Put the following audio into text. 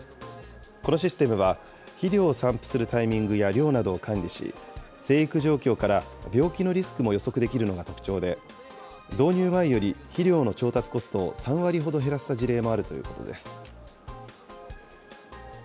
このシステムは、肥料を散布するタイミングや量などを管理し、生育状況から病気のリスクも予測できるのが特徴で、導入前より肥料の調達コストを３割ほど減らせた事例もあるということです。